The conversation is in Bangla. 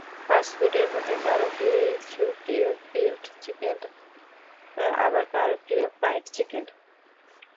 ফাস্টফুডের মধ্যে কারও প্রিয় গ্রিলড চিকেন, আবার কারও প্রিয় ফ্রায়েড চিকেন।